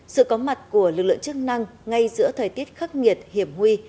sự có mặt của lực lượng chức năng ngay giữa thời tiết khắc nghiệt hiểm nguy